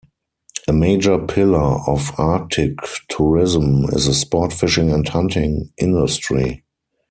A major pillar of Arctic tourism is the sport fishing and hunting industry.